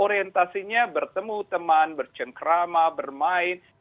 orientasinya bertemu teman bercengkrama bermain